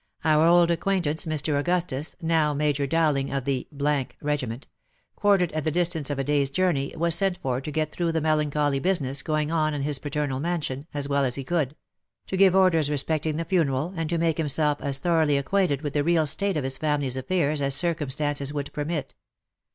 Our old acquaintaince, Mr. Augustus, now Major Dowling of the — regiment, quartered at the distance of a day's journey, was sent for to get through the melancholy business going on in his paternal mansion, as well as he could ; to give orders respecting the funeral, and to make himself as thoroughly acquainted with the real state of his family affairs as circumstances would permit.